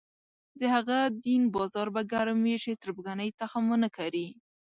د هغه دین بازار به ګرم وي چې تربګنۍ تخم ونه کري.